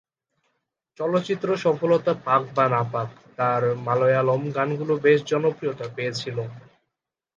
চলচ্চিত্র সফলতা পাক বা না পাক তার মালয়ালম গানগুলো বেশ জনপ্রিয়তা পেয়েছিল।